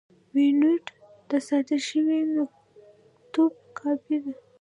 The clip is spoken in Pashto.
مینوټ د صادر شوي مکتوب کاپي ده.